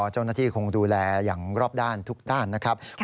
เจ้าหน้าที่คงดูแลอย่างรอบด้านทุกด้านนะครับ